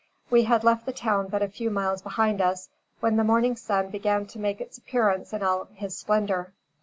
We had left the town but a few miles behind us when the morning sun began to make its appearance in all his splendor.